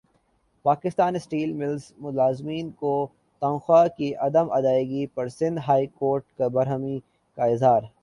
Pakistan steels ملزملازمین کو تنخواہوں کی عدم ادائیگی پرسندھ ہائی کورٹ کا برہمی کااظہار